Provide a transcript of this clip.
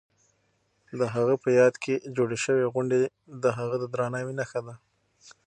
د هغه په یاد کې جوړې شوې غونډې د هغه د درناوي نښه ده.